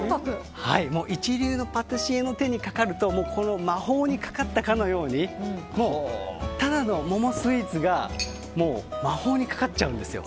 一流のパティシエの手にかかると魔法にかかったかのようにただの桃スイーツが魔法にかかっちゃうんですよ。